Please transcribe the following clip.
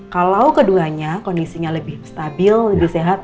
kalau keduanya kondisinya lebih stabil lebih sehat